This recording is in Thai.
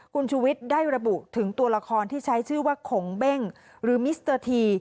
คุณชูวิทย์ได้ระบุถึงตัวละครที่ใช้ชื่อว่าขงเบ้งหรือมิสเตอร์ที